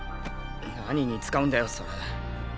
何に使うんだよそれ。